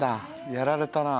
やられたな。